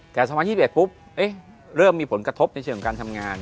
แต่๒๐๒๑ปุ๊บเริ่มมีผลกระทบในเชิงการทำงาน